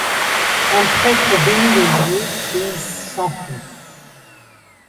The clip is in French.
Un prêtre bénit les lieux et ils s'enfuient.